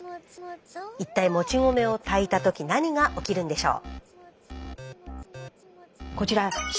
一体もち米を炊いたとき何が起きるんでしょう。